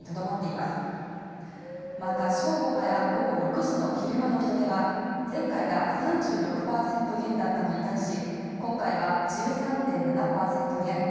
また、正午から午後６時の昼間の人出は前回が３６％減だったのに対し今回は１３．７％減。